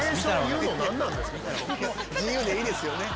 自由でいいですよね。